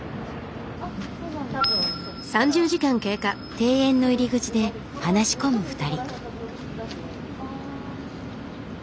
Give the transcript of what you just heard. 庭園の入り口で話し込む２人。